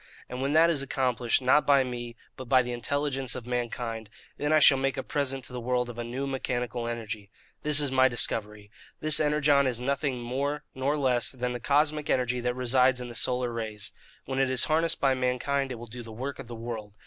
And when that is accomplished, not by me but by the intelligence of mankind, then I shall make a present to the world of a new mechanical energy. This is my discovery. This Energon is nothing more nor less than the cosmic energy that resides in the solar rays. When it is harnessed by mankind it will do the work of the world.